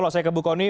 laksanakan bu kony